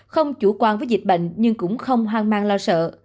không chủ quan với dịch bệnh nhưng cũng không hoang mang lo sợ